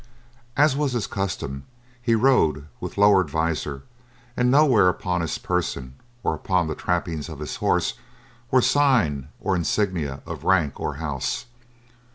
As was his custom, he rode with lowered visor, and nowhere upon his person or upon the trappings of his horse were sign or insignia of rank or house.